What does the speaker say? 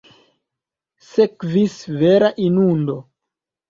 Sekvis vera inundo.